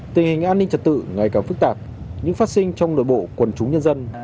tình hình an ninh trật tự ngày càng phức tạp những phát sinh trong nội bộ quần chúng nhân dân